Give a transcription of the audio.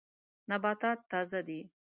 نباتات تازه دي.